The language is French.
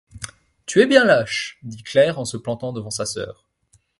Tu es bien lâche, dit Claire en se plantant devant sa sœur.